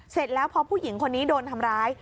เสร็จแล้วพอผู้หญิงคนนี้โดนทำร้าย